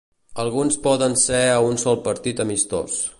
Alguns poden ser a un sol partit amistós.